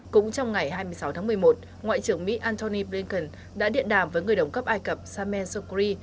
cũng trong ngày hai mươi sáu tháng một mươi một ngoại trưởng mỹ antony blinken đã điện đàm với người đồng cấp ai cập samen sokri